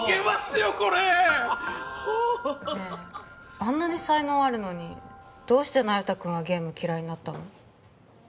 ねえあんなに才能あるのにどうして那由他君はゲーム嫌いになったの？